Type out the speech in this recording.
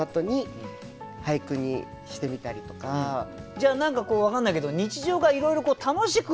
じゃあ何か分かんないけど日常がいろいろ楽しく。